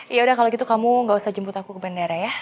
ya udah kalau gitu kamu gak usah jemput aku ke bandara ya